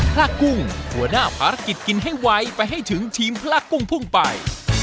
พระกุ้งหัวหน้าภารกิจกินให้ไวไปให้ถึงทีมพระกุ้งพุ่งไป